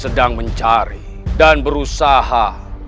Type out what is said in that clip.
sedang mencari dan berusaha